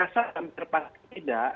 saya rasa tidak